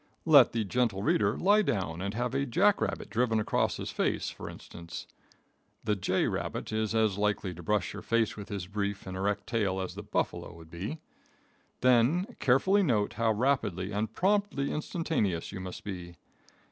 Let the gentle reader lie down and have a Jackrabbit driven across his face, for instance. The J. Rabbit is as likely to brush your face with his brief and erect tail as the buffalo would be. Then carefully note how rapidly and promptly instantaneous you must be.